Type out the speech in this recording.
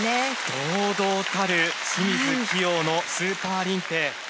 堂々たる清水希容のスーパーリンペイ。